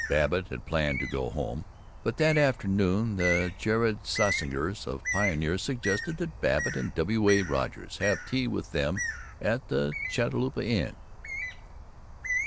Babbitt had planned to go home, but that afternoon the Jered Sassburgers of Pioneer suggested that Babbitt and W. A. Rogers have tea with them at the Catalpa Inn.